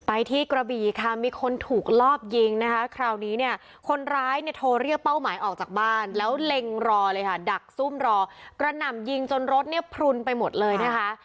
ไปที่กระบีค่ะมีคนถูกลอบยิงนะคะคราวนี้เนี่ยคนร้ายเนี่ยโทรเรียกเป้าหมายออกจากบ้านแล้วเล็งรอเลยค่ะดักซุ่มรอกระหน่ำยิงจนรถเนี่ยพลุนไปหมดเลยนะคะ